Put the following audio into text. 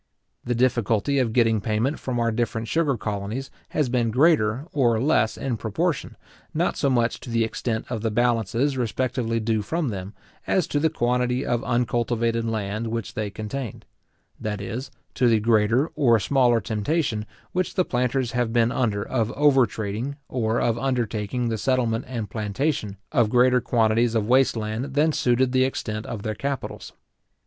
The difficulty of getting payment from our different sugar colonies has been greater or less in proportion, not so much to the extent of the balances respectively due from them, as to the quantity of uncultivated land which they contained; that is, to the greater or smaller temptation which the planters have been under of over trading, or of undertaking the settlement and plantation of greater quantities of waste land than suited the extent of their capitals.